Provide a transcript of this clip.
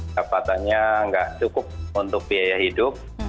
dapatannya nggak cukup untuk biaya hidup